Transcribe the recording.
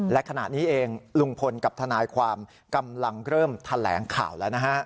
และขณะนี้เองลุงพลกับทนายความกำลังเริ่มแถลงข่าวแล้วนะฮะ